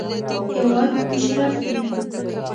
هېواد مو شرف دی